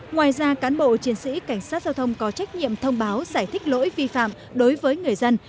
ngoài ra cán bộ chiến sĩ cảnh sát giao thông có trách nhiệm thông báo giải thích lỗi vi phạm đối với người dân